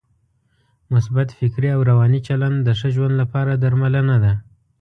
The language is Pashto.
مثبت فکري او روانی چلند د ښه ژوند لپاره درملنه ده.